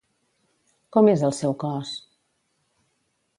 Com és el seu cos?